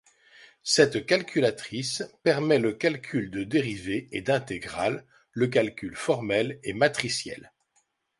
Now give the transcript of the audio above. Cette calculatrice permet le calcul de dérivées et d'intégrales, le calcul formel et matriciel.